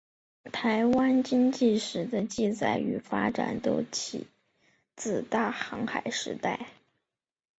台湾经济史的记载与发展起自大航海时代。